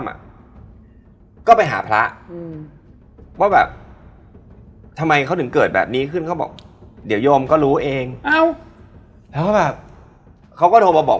ไม่รู้พี่หนูก็คิดหนูอยากท้อง